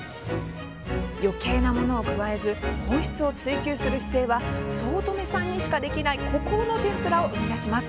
よけいなものを加えず本質を追求する姿勢は早乙女さんにしかできない孤高の天ぷらを生み出します。